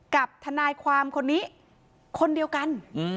กับทนายความคนนี้คนเดียวกัน